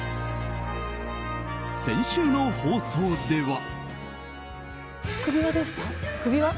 先週の放送では。